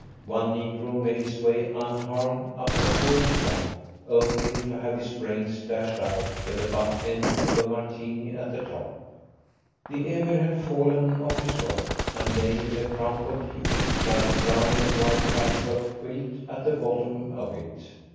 One negro made his way unharmed up the whole side, only to have his brains dashed out with the butt end of a Martini at the top. The Emir had fallen off his rock and lay in a crumpled heap, like a brown and white patchwork quilt, at the bottom of it.